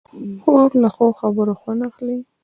خور له ښو خبرو خوند اخلي.